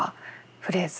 フレーズ